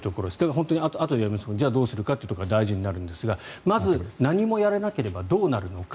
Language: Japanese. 本当にあとでやりますがじゃあ、どうするかというところが大事になるんですがまず、何もやらなければどうなるのか。